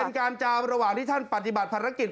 เป็นการจามระหว่างที่ท่านพัฒนิบัติภารกิจ